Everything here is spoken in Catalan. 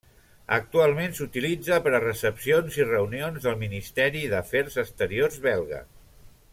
Actualment s'utilitza per a recepcions i reunions del Ministeri d'Afers Exteriors belga.